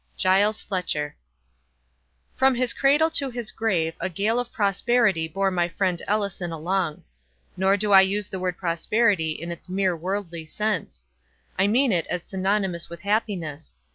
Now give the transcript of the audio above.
—Giles Fletcher. From his cradle to his grave a gale of prosperity bore my friend Ellison along. Nor do I use the word prosperity in its mere worldly sense. I mean it as synonymous with happiness.